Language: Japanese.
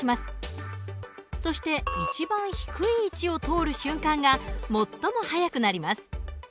そして一番低い位置を通る瞬間が最も速くなります。